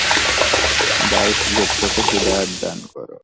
দাউস গোত্রকে হিদায়াত দান কর।